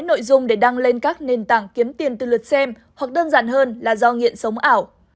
nội dung để đăng lên các nền tảng kiếm tiền từ lượt xem hoặc đơn giản hơn là do nghiện sống ảo